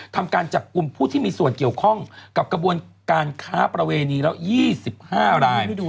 ทำการจับกลุ่มผู้ที่มีส่วนเกี่ยวข้องกับกระบวนการค้าประเวณีแล้ว๒๕ราย